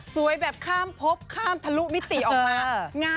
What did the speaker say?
แบบข้ามพบข้ามทะลุมิติออกมา